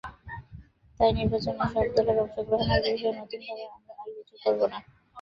তাই নির্বাচনে সব দলের অংশগ্রহণের বিষয়ে নতুনভাবে আমরা আর কিছু করব না।